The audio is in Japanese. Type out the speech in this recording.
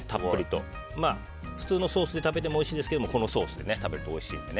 普通のソースで食べてもおいしいですけどこのソースで食べるとおいしいので。